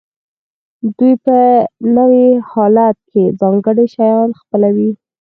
دوی په نوي حالت کې ځانګړي شیان خپلوي.